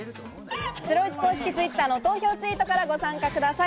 ゼロイチ公式Ｔｗｉｔｔｅｒの公式ツイートからご参加ください。